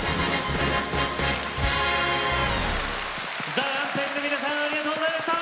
ＴＨＥＲＡＭＰＡＧＥの皆さんありがとうございました！